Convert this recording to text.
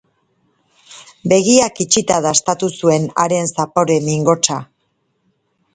Begiak itxita dastatu zuen haren zapore mingotsa.